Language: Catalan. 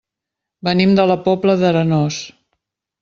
Venim de la Pobla d'Arenós.